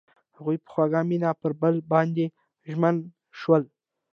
هغوی په خوږ مینه کې پر بل باندې ژمن شول.